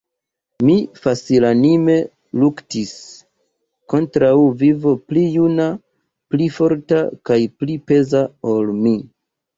Mi facilanime luktis kontraŭ viro pli juna, pli forta kaj pli peza ol mi.